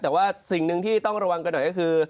แต่ว่าสิ่งหนึ่งที่ต้องระวังกันหน่อยก็คือ